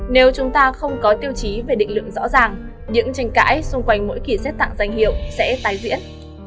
nếu chúng ta không có tiêu chí về định lượng rõ ràng những tranh cãi xung quanh mỗi kỳ xét tặng danh hiệu sẽ tái diễn